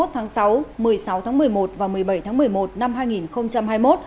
hai mươi một tháng sáu một mươi sáu tháng một mươi một và một mươi bảy tháng một mươi một năm hai nghìn hai mươi một